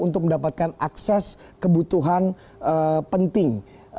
untuk mencapai fasilitas kebutuhan penting